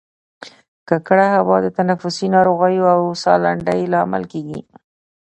ککړه هوا د تنفسي ناروغیو او سالنډۍ لامل کیږي